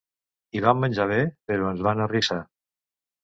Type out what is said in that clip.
Hi vam menjar bé, però ens van arrissar.